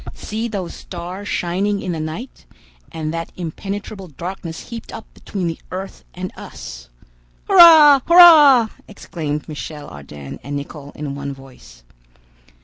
See those stars shining in the night, and that impenetrable darkness heaped up between the earth and us!" "Hurrah! hurrah!" exclaimed Michel Ardan and Nicholl in one voice.